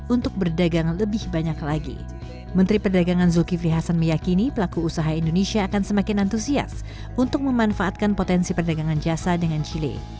untuk memanfaatkan potensi perdagangan jasa dengan chile